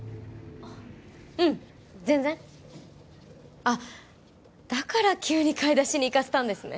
うん全然あっだから急に買い出しに行かせたんですね